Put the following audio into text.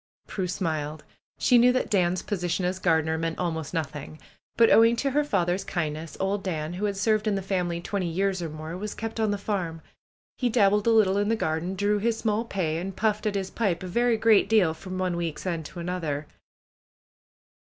Prue smiled. She knew that Dan's position as gar dener meant almost nothing. But owing to her father's kindness old Dan, who had served in the family twenty years or more, was kept on the farm. He dabbled a little in the garden, drew his small pay, and puffed at his pipe a very great deal from one week's end to an other.